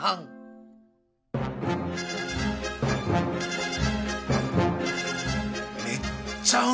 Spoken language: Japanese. めっちゃうまい！